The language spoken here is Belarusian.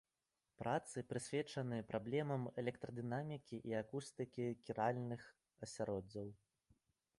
Працы прысвечаны праблемам электрадынамікі і акустыкі кіральных асяроддзяў.